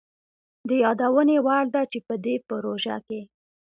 د يادوني وړ ده چي په دې پروژه کي